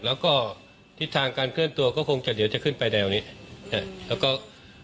แล้วก็ทิศทางการเคลื่อนตัวก็คงจะเดี๋ยวจะขึ้นไปแนวนี้แล้วก็